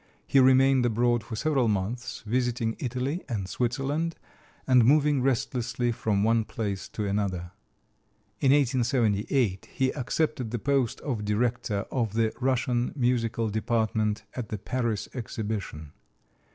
He remained abroad for several months, visiting Italy and Switzerland, and moving restlessly from one place to another. In 1878 he accepted the post of director of the Russian Musical Department at the Paris Exhibition.